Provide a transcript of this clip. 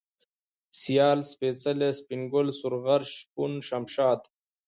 سيال ، سپېڅلى ، سپين گل ، سورغر ، شپون ، شمشاد